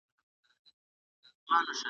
فساد کوونکي باید توبه وباسي.